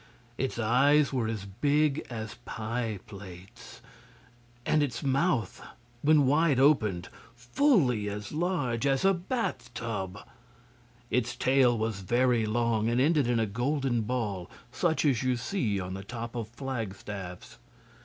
Its eyes were as big as pie plates, and its mouth when wide opened fully as large as a bath tub. Its tail was very long and ended in a golden ball, such as you see on the top of flagstaffs.